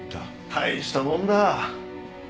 大したもんだ。